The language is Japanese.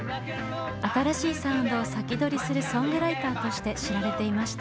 新しいサウンドを先取りするソングライターとして知られていました。